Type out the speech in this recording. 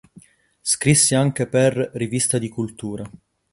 Scrisse anche per "Rivista di Cultura".